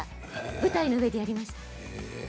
舞台の上でやりました。